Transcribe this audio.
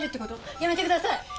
やめてください！